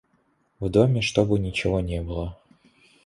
В доме чтобы ничего не было.